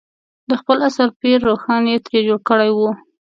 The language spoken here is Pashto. د خپل عصر پير روښان یې ترې جوړ کړی و.